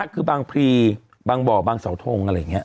คือบางพรีบางบ่อบางเสาทงอะไรอย่างนี้